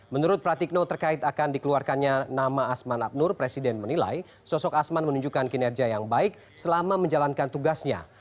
menurut pratikno terkait akan dikeluarkannya nama asman abnur presiden menilai sosok asman menunjukkan kinerja yang baik selama menjalankan tugasnya